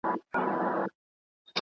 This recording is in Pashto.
د نجلۍ کورنی ژوند بايد په دقت وڅېړل سي.